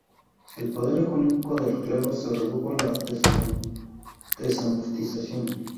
El poder económico del clero se redujo con la desamortización.